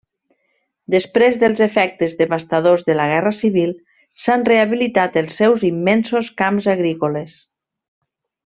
Després dels efectes devastadors de la guerra civil, s'han rehabilitat els seus immensos camps agrícoles.